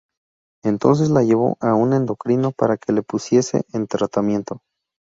Entonces la llevó a un endocrino para que la pusiese en tratamiento.